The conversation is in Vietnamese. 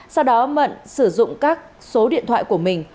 sau đó mận sử dụng các số điện thoại của mình